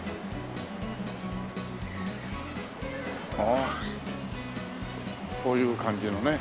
ああこういう感じのね。